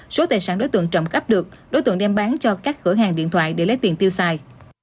số tài sản đối tượng trộm cắp được đối tượng đem bán cho các cửa hàng điện thoại để lấy tiền tiêu xài